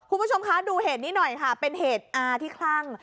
คุณผู้ชมคะดูเหตุนี้หน่อยค่ะเป็นเหตุอาที่คลั่ง